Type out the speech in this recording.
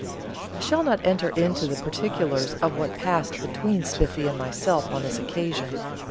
I shall not enter into the particulars of what passed between Spiffy and myself on this occasion.